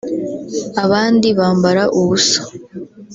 abandi bambara ubusa